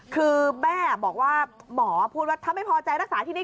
คือแม่บอกว่าหมอพูดว่าถ้าไม่พอใจรักษาที่นี่